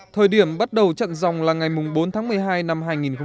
thời điểm bắt đầu trận dòng là ngày bốn tháng một mươi hai năm hai nghìn hai mươi